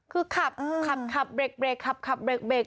คือขับขับขับเบรกเบรกขับขับเบรกเบรก